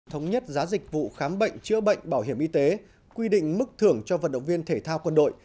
thống nhất giá dịch vụ khám bệnh chữa bệnh bảo hiểm y tế quy định mức thưởng cho vận động viên thể thao quân đội